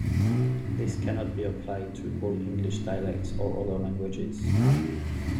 This cannot be applied to all English dialects or other languages.